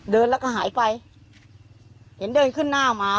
เดินแล้วก็หายไปเห็นเดินขึ้นหน้ามา